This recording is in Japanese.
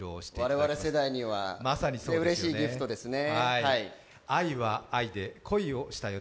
我々世代にはうれしいＧＩＦＴですね。